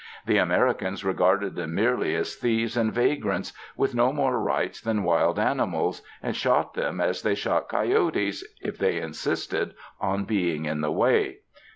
The Americans regarded them merely as thieves and vagrants, with no more rights than wild animals, and shot them as they shot coyotes if they insisted on being in the way.